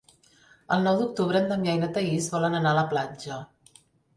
El nou d'octubre en Damià i na Thaís volen anar a la platja.